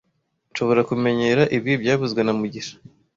Nshobora kumenyera ibi byavuzwe na mugisha